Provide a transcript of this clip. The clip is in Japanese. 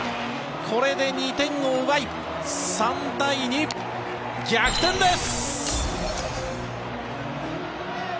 これで２点を奪い、３対２。逆転です！